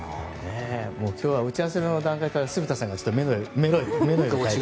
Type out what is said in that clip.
今日は打ち合わせの段階から住田さんがちょっと目の色を変えて。